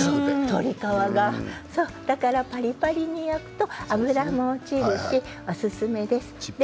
鶏皮がだからパリパリに焼くと脂も落ちるしおすすめです。